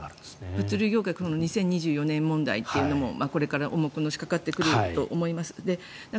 物流業界２０２４年問題というのもこれから重くのしかかってくると思います。